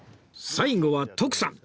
最後は徳さん